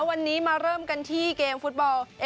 วันนี้มาเริ่มกันที่เกมฟุตบอล